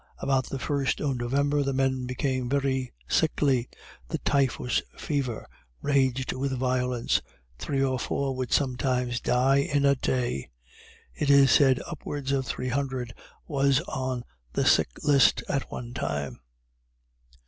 About the first of November the men became very sickly the typhus fever raged with violence three or four would sometimes die in a day. It is said upwards of three hundred was on the sick list at one time.